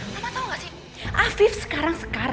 mama tau gak sih afif sekarang sekarat